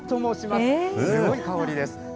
すごい香りです。